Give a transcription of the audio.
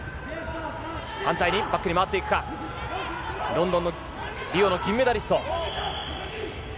反対にバックに回っていくか、リオの金メダリスト。